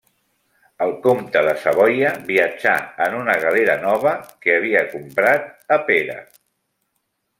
El comte de Savoia viatjà en una galera nova que havia comprat a Pera.